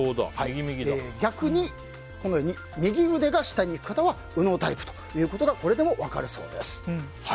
逆に、右腕が下にいく方は右脳タイプということがこれでも分かるそうです。